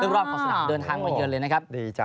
ร่วมของสนามเดินทางมายเยินเลยนะครับ